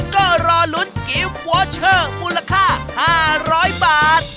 ก็รอลุ้นเกมวอร์เชอร์มูลค่า๕๐๐บาท